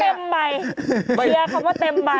เคลียร์คำว่าเต็มใบ